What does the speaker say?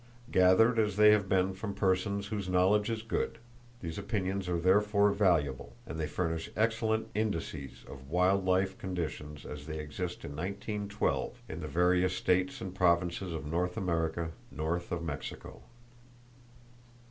Gathered as they have been from persons whose knowledge is good, these opinions are therefore valuable; and they furnish excellent indices of wild life conditions as they exist in 1912 in the various states and provinces of North America north of Mexico.